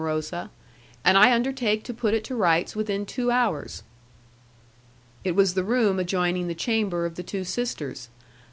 Rosa, "and I undertake to put it to rights within two hours." It was the room adjoining the chamber of the two sisters.